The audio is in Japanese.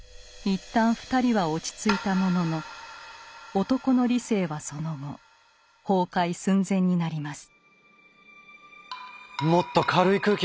一旦２人は落ち着いたものの男の理性はその後崩壊寸前になります。